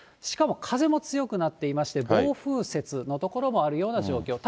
しかも風も強くなっていまして、暴風雪の所もあるような状況。